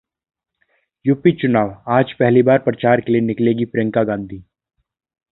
UP चुनावः आज पहली बार प्रचार के लिए निकलेंगी प्रियंका गांधी